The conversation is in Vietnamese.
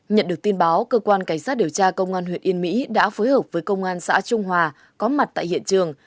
nhận được tin báo cơ quan cảnh sát điều tra công an huyện yên mỹ đã phối hợp với công an xã trung hòa có mặt tại hiện trường